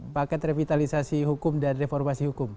paket revitalisasi hukum dan reformasi hukum